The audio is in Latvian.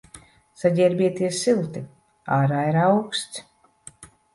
Saģērbieties silti, ārā ir auksts.